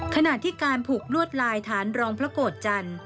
ขณะที่การผูกลวดลายฐานรองพระโกรธจันทร์